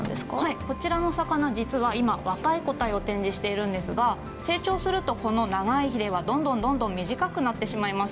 こちらの魚実は今若い個体を展示しているんですが成長するとこの長いひれはどんどんどんどん短くなってしまいます。